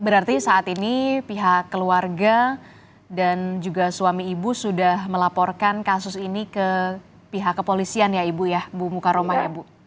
berarti saat ini pihak keluarga dan juga suami ibu sudah melaporkan kasus ini ke pihak kepolisian ya ibu ya ibu mukaroma ya bu